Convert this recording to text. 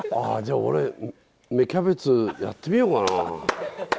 じゃ俺芽キャベツやってみようかな？